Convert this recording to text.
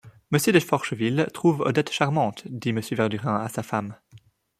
Monsieur de Forcheville trouve Odette charmante, dit Monsieur Verdurin à sa femme.